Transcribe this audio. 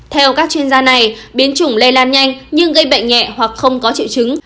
theo các chuyên gia này biến chủng lây lan nhanh nhưng gây bệnh nhẹ hoặc không có triệu chứng